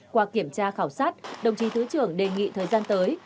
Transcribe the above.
qua kiểm tra khảo sát đồng chí thứ trưởng đề nghị thời gian tới